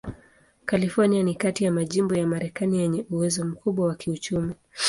California ni kati ya majimbo ya Marekani yenye uwezo mkubwa wa kiuchumi.